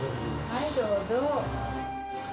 はいどうぞ。